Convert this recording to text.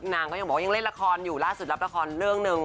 นางก็ยังบอกว่ายังเล่นละครอยู่ล่าสุดรับละครเรื่องหนึ่ง